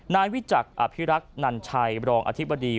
นายวิจักรอภิรักษ์นันชัยรองอธิบดี